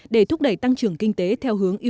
để thúc đẩy tăng trưởng kinh tế theo hướng ưu tiên